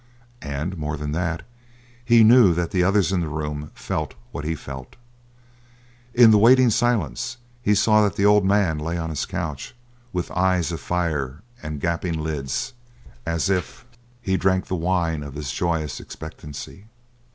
And, more than that, he knew that the others in the room felt what he felt. In the waiting silence he saw that the old man lay on his couch with eyes of fire and gaping lips, as if he drank the wine of his joyous expectancy.